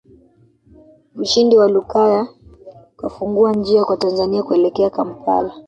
Ushindi wa Lukaya ukafungua njia kwa Tanzania kuelekea Kampala